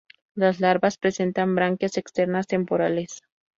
Las larvas presentan branquias externas temporales.